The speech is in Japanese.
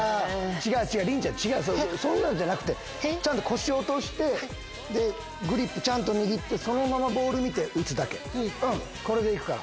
りんちゃん違うそんなんじゃなくてちゃんと腰落としてグリップちゃんと握ってそのままボール見て打つだけこれで行くから。